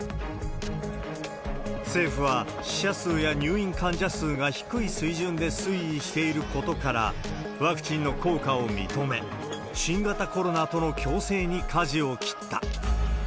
政府は死者数や入院患者数が低い水準で推移していることから、ワクチンの効果を認め、新型コロナとの共生にかじを切った。